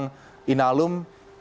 yang kemudian holding tambang